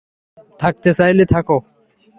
থাকতে চাইলে থাকো।